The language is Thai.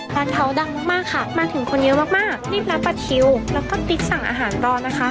ร้านเขาดังมากมากค่ะมาถึงคนเยอะมากมากรีบรับประทิวแล้วก็ติ๊กสั่งอาหารรอนะคะ